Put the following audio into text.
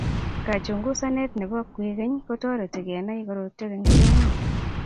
Kachungusane ne bo kwekeny kotoreti kenai korotwek eng tionging